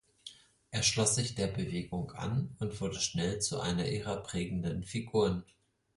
Er schloss sich der Bewegung an und wurde schnell zu einer ihrer prägenden Figuren.